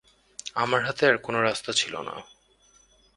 আমার হাতে আর কোনো রাস্তা ছিল না।